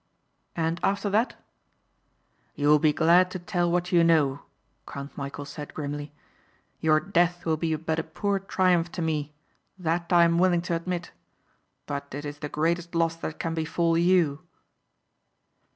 "And after that?" "You will be glad to tell what you know," Count Michæl said grimly. "Your death will be but a poor triumph to me; that I am willing to admit, but it is the greatest loss that can befall you."